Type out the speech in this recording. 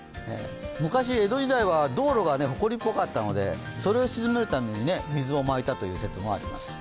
昔は江戸時代は道路がほこりっぽかったのでそれを鎮めるために、水をまいたという説もあります。